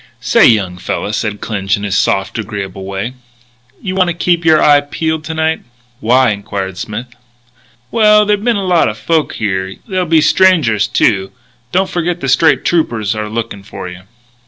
"Say, young fella," said Clinch in his soft, agreeable way, "you want to keep your eye peeled to night." "Why?" inquired Smith. "Well, there'll be a lot o' folks here. There'll be strangers, too.... Don't forget the State Troopers are looking for you."